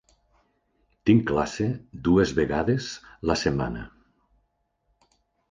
Tinc classe dues vegades la setmana.